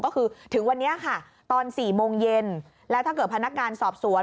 ก็คือถึงวันนี้ค่ะตอน๔โมงเย็นแล้วถ้าเกิดพนักงานสอบสวน